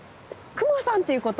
熊さんということ？